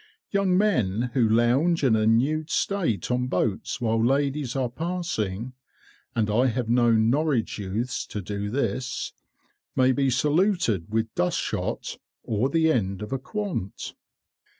Young men who lounge in a nude state on boats while ladies are passing (and I have known Norwich youths to do this) may be saluted with dust shot, or the end of a quant.